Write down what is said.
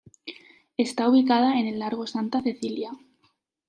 Está ubicada en el Largo Santa Cecília.